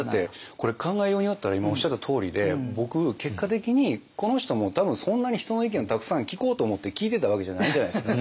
これ考えようによったら今おっしゃったとおりで僕結果的にこの人も多分そんなに人の意見をたくさん聞こうと思って聞いてたわけじゃないじゃないですか。